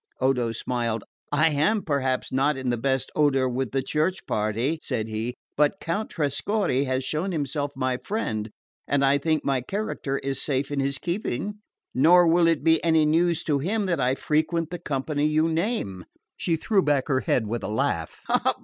Odo smiled. "I am perhaps not in the best odour with the Church party," said he, "but Count Trescorre has shown himself my friend, and I think my character is safe in his keeping. Nor will it be any news to him that I frequent the company you name." She threw back her head with a laugh.